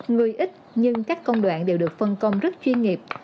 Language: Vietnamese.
người ít nhưng các công đoạn đều được phân công rất chuyên nghiệp